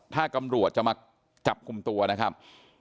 ถ้าตำรวจจะมาจับกลุ่มตัวนะครับ